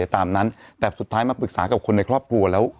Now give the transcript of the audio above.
ตามนั้นแต่สุดท้ายมาปรึกษากับคนในครอบครัวแล้ว